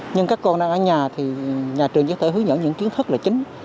nhưng các con đang ở nhà thì nhà trường chắc chắn hướng dẫn những kiến thức là chính